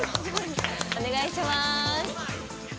おねがいします。